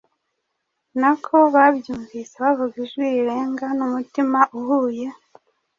Nabo babyumvise bavuga ijwi rirenga n’umutima uhuye,